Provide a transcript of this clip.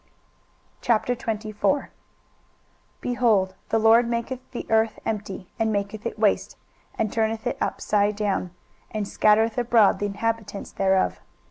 23:024:001 Behold, the LORD maketh the earth empty, and maketh it waste, and turneth it upside down, and scattereth abroad the inhabitants thereof.